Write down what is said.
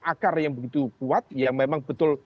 akar yang begitu kuat yang memang betul